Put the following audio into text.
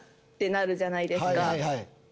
ってなるじゃないですか。